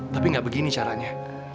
tapi gak begini caranya